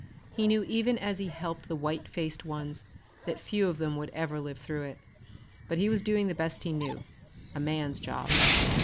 He knew even as he helped the white faced ones that few of them would ever live through it, but he was doing the best he knew a man's job.